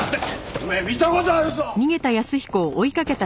てめえ見た事あるぞ！